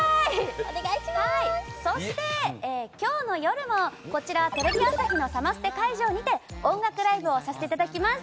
そして、今日の夜もテレビ朝日のサマステ会場にて音楽ライブをさせていただきます。